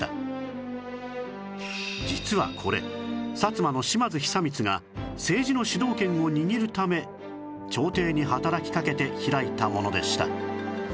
実はこれ薩摩の島津久光が政治の主導権を握るため朝廷に働きかけて開いたものでした